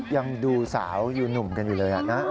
ยังดูสาวดูหนุ่มกันอยู่เลยนะ